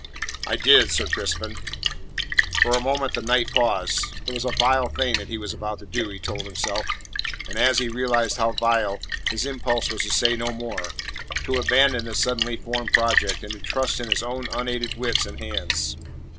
"I did, Sir Crispin." For a moment the knight paused. It was a vile thing that he was about to do, he told himself, and as he realized how vile, his impulse was to say no more; to abandon the suddenly formed project and to trust to his own unaided wits and hands.